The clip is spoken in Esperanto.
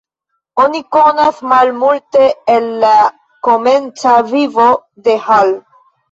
Oni konas malmulte el la komenca vivo de Hall.